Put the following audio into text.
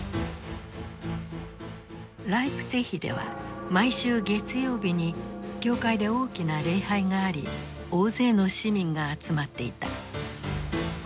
ライプツィヒでは毎週月曜日に教会で大きな礼拝があり大勢の市民が集まっていた。